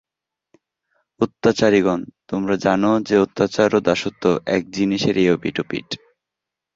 অত্যাচারিগণ! তোমরা জান না যে, অত্যাচার ও দাসত্ব এক জিনিষেরই এপিঠ ওপিঠ।